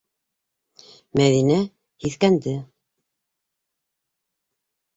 Мәҙинә һиҫкәнде.